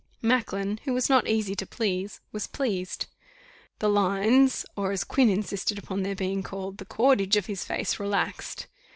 Macklin, who was not asy to please, was pleased. The lines, or as Quin insisted upon their being called, the cordage of his face relaxed.